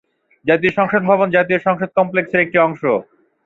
জাতীয় সংসদ ভবন জাতীয় সংসদ কমপ্লেক্সের একটি অংশ।